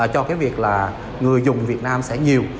cho cái việc là người dùng việt nam sẽ nhiều